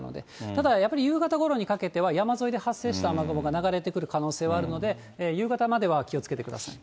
ただやっぱり夕方ごろにかけては、山沿いで発生した雨雲が流れてくる可能性はあるので、夕方までは気をつけてください。